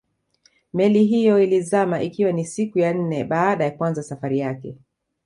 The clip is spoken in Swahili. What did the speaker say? Meli hiyo ilizama ikiwa ni siku ya nne baada ya kuanza safari yake